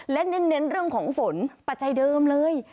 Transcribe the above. และเน้นเรื่องของฝนปัจจัยเดิมเลย